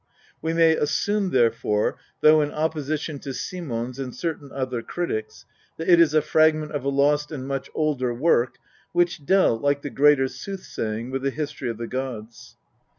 We may assume therefore, though in opposition to Sijinons and certain other critics, that it is a iragment of a lost and much older work, which dealt, like the greater Soothsaying, with the history of the gods.